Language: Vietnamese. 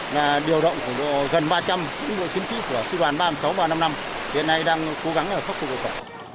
là điều động gần ba trăm linh quân đội chiến sĩ của sưu đoàn ba mươi sáu nghìn ba trăm năm mươi năm hiện nay đang cố gắng phép của quân khu